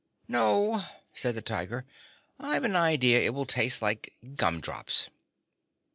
"No," said the Tiger, "I've an idea it will taste like gumdrops."